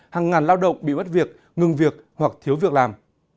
hàng ngàn lao động bị mất việc ngừng việc hoặc thiếu việc làm